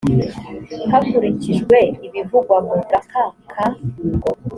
hakurikijwe ibivugwa mu gaka ka